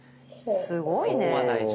すごいね。